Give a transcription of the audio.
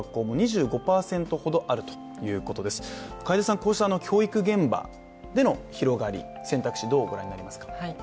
こうした教育現場での広がり選択肢、どうご覧になりますか。